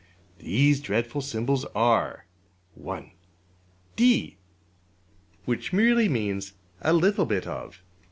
These dreadful symbols are: (1) $d$ which merely means ``a little bit of.''